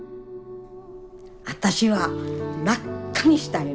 私は真っ赤にしたいの。